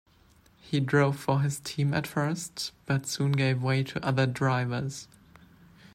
He drove for his team at first, but soon gave way to other drivers.